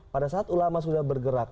pada saat ulama sudah bergerak